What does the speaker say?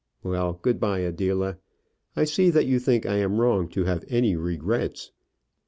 Well; good bye, Adela. I see that you think I am wrong to have any regrets."